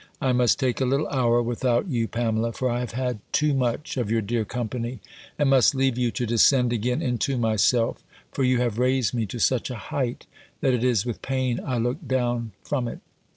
I must take a little tour without you, Pamela; for I have had too much of your dear company, and must leave you, to descend again into myself; for you have raised me to such a height, that it is with pain I look down from it."